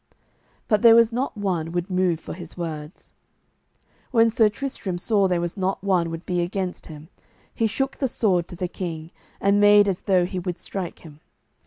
But there was not one would move for his words. When Sir Tristram saw there was not one would be against him, he shook the sword to the king, and made as though he would strike him.